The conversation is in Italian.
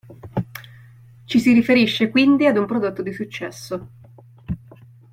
Ci si riferisce quindi ad un prodotto di successo.